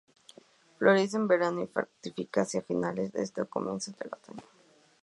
Florece en verano y fructifica hacia finales de este o comienzos del otoño.